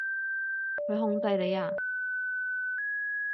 佢控制你呀？